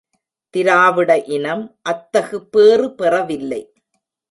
திராவிட இனம் அத்தகு பேறு பெறவில்லை.